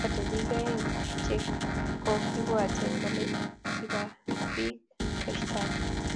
Eng jumatatu bik aing che kokibwatien kole kibarbik keshtakan.